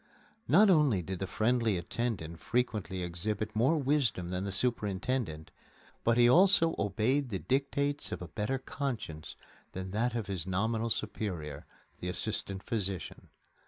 Not only did the friendly attendant frequently exhibit more wisdom than the superintendent, but he also obeyed the dictates of a better conscience than that of his nominal superior, the assistant physician.